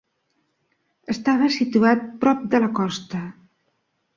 Estava situat prop de la costa.